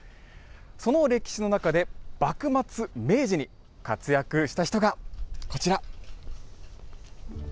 その歴史の中で幕末明治に活躍した人がこちら。